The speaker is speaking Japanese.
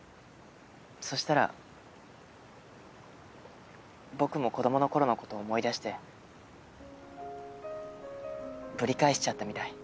そしたら僕も子供の頃の事を思い出してぶり返しちゃったみたい。